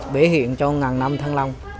biểu hiện cho ngàn năm thăng long